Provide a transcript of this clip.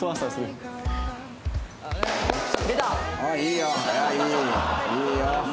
いいよ。